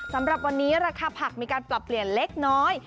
สำหรับวันนี้ราคาผักมีการปรับเปลี่ยนเล็กน้อย